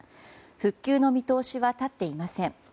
復旧の見通しは立っていません。